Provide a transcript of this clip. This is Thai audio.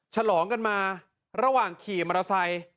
ฉลองกันมาระหว่างขี่มอเตอร์ไซค์